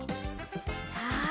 さあ